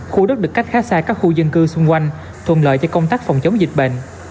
khu đất được cách khá xa các khu dân cư xung quanh thuận lợi cho công tác phòng chống dịch bệnh